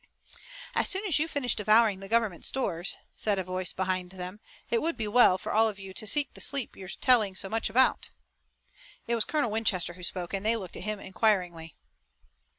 "As soon as you finish devouring the government stores," said a voice behind them, "it would be well for all of you to seek the sleep you're telling so much about." It was Colonel Winchester who spoke, and they looked at him, inquiringly.